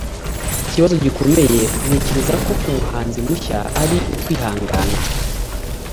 ikibazo gikomeye, ntekereza ko ku muhanzi mushya, ari ukwihangana. - brett eldredge